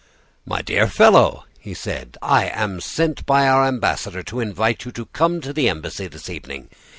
"'My dear fellow,' he said, I am sent by our ambassador to invite you to come to the embassy this evening.